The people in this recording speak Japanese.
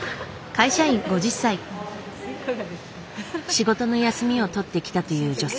仕事の休みを取って来たという女性。